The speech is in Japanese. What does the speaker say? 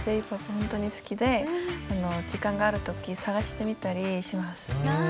本当に好きで時間がある時探してみたりします。